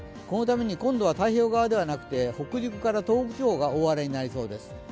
このために今度は太平洋側ではなくて、北陸から東北地方が大荒れになりそうです。